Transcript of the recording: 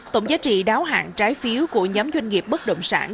tổng giá trị đáo hạng trái phiếu của nhóm doanh nghiệp bất động sản